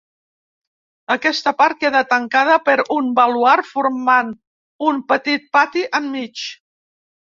Aquesta part queda tancada per un baluard formant un petit pati enmig.